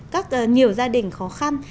các nhiều gia đình khó khăn